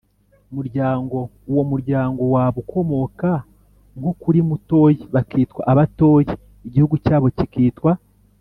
muryango. uwo muryango waba ukomoka nko kuri mutoyi, bakitwa abatoyi, igihugu cyabo kikitwa